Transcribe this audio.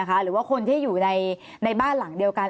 หรือว่าคนที่อยู่ในบ้านหลังเดียวกัน